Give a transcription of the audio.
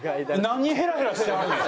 何ヘラヘラしてはんねん！